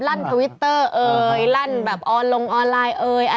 ลั่นพวิตเตอร์เอ่ยลั่นแบบลงออนไลน์เอ่ย